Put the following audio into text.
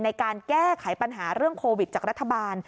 ในการแก้ไขปัญหาเรื่องโควิดจากรัฐบาล